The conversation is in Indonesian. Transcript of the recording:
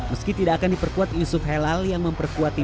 meski tidak akan diperkuat yusuf helal yang memperkuat persija